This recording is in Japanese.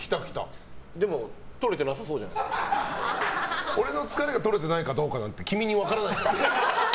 でも、とれてなさそうじゃ俺の疲れがとれてないかどうかなんて君に分からない。